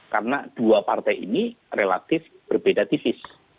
karena dua partai ini relatif berbeda tipis